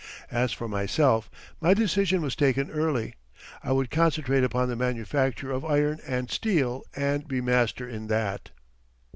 As for myself my decision was taken early. I would concentrate upon the manufacture of iron and steel and be master in that.